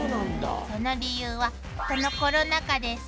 「その理由はこのコロナ禍で」